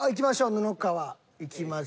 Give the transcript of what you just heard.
布川。